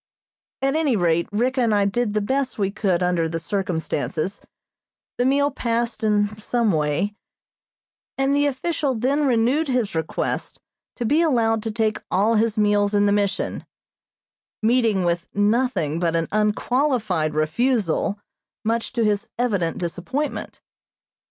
At any rate, Ricka and I did the best we could under the circumstances, the meal passed in some way, and the official then renewed his request to be allowed to take all his meals in the Mission, meeting with nothing but an unqualified refusal, much to his evident disappointment.